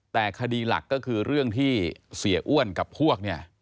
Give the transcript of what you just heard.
แต่คดีหลักก็คือเรื่องที่เสียอ้วนกับพวกเนี่ย